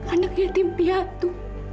anak anak yatim piatu